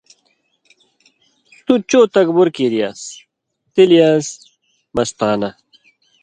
تُوۡ چوۡ تکبر کِیریاس تِلیانٚس مستانہ